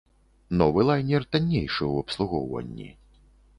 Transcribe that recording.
Новы лайнер таннейшы ў абслугоўванні.